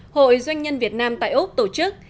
hội doanh nhân việt nam tại úc tổ chức